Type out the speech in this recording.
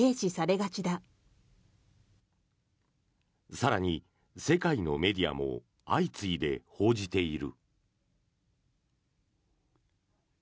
更に、世界のメディアも相次いで報じている。